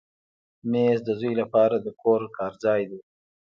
مېز د زوی لپاره د کور کار ځای دی.